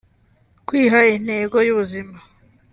kwiha intego y’ubuzima